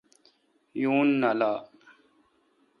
یون نالان۔